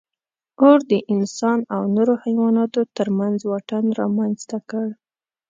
اور د انسان او نورو حیواناتو تر منځ واټن رامنځ ته کړ.